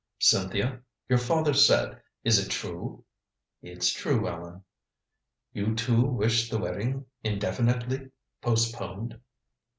"Cynthia your father said is it true?" "It's true, Allan." "You too wish the wedding indefinitely postponed?"